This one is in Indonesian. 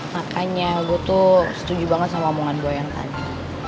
makanya gue tuh setuju banget sama omongan gue yang tadi